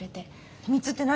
秘密って何？